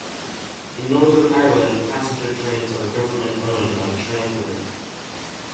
In Northern Ireland passenger trains are government-owned by Translink.